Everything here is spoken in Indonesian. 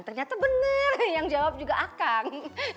ternyata bener yang jawab juga akang